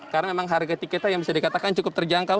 karena memang harga tiketnya yang bisa dikatakan cukup terjangkau